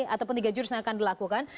ataupun tiga jurus yang akan dilakukan